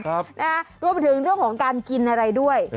ครับนะครับรวมถึงเรื่องของการกินอะไรด้วย